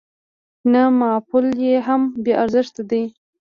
نه معافول يې هم بې ارزښته دي.